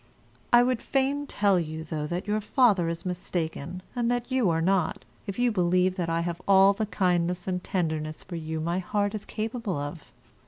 I would fain tell you, though, that your father is mistaken, and that you are not, if you believe that I have all the kindness and tenderness for you my heart is capable of.